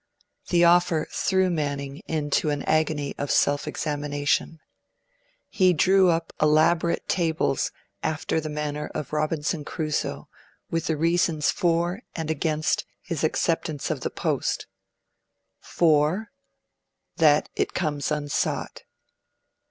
The offer threw Manning into an agony of self examination. He drew up elaborate tables, after the manner of Robinson Crusoe, with the reasons for and against his acceptance of the post: FOR AGAINST 1. That it comes unsought.